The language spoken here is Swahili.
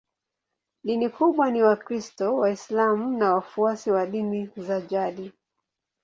Dini kubwa ni Wakristo, Waislamu na wafuasi wa dini za jadi.